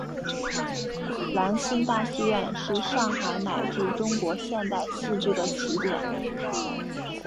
兰心大戏院是上海乃至中国现代戏剧的起点。